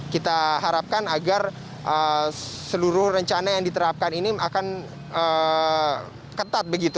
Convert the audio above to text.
kita harapkan agar seluruh rencana yang diterapkan ini akan ketat begitu